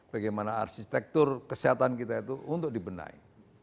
bagaimana arsitektur kesehatan kita itu untuk dibenahi